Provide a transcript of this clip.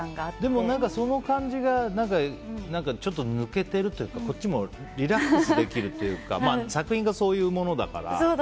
でも、その感じがちょっと抜けてるというかこっちもリラックスできるというか作品がそういうものだから。